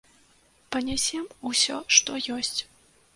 Панясем усё, што ёсць.